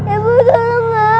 ibu tolong aku